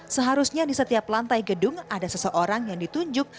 seharusnya di setiap lantai gedung ada seseorang yang ditunjuk